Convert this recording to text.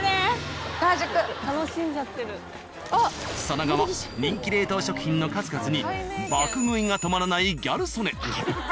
その後も人気冷凍食品の数々に爆食いが止まらないギャル曽根。